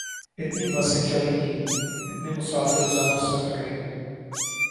اتنی بسیں چلیں گی، اتنے مسافر روزانہ سفر کریں گے۔